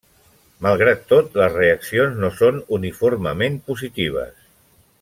Malgrat tot, les reaccions no són uniformement positives.